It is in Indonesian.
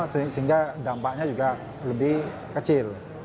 sehingga dampaknya juga lebih kecil